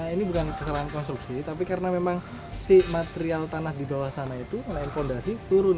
ini bukan kesalahan konstruksi tapi karena memang si material tanah di bawah sana itu karena fondasi turun